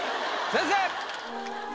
先生！